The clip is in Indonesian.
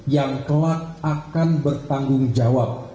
yang kelak akan bertanggung jawab